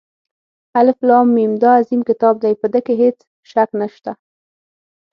الف لام ، میم دا عظیم كتاب دى، په ده كې هېڅ شك نشته.